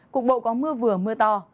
cục bộ có mưa vừa mưa to